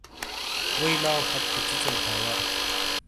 ووئی لاؤپھَت تھے چِیچل تھا وا۔